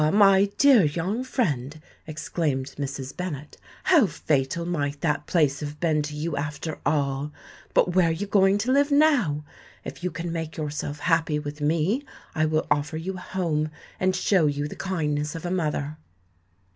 my dear young friend," exclaimed Mrs. Bennet, "how fatal might that place have been to you after all? But where are you going to live now? If you can make yourself happy with me, I will offer you a home and show you the kindness of a mother."